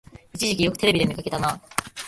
一時期よくテレビで見かけたなあ